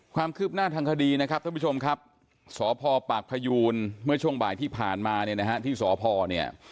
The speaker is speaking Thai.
ความคืบหน้าทางคดีนะครับท่านผู้ชมครับสพปากพยูนเมื่อช่วงบ่ายที่ผ่านมาเนี่ยนะฮะที่สพเนี่ย